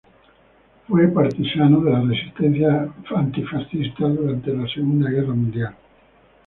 Fue partisano de la resistencia antifascista durante la Segunda Guerra Mundial.